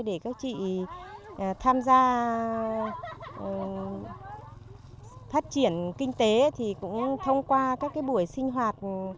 để các chị tham gia phát triển kinh tế thì cũng thông qua các buổi sinh hoạt